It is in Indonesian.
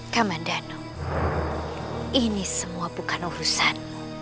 kamandano ini semua bukan urusan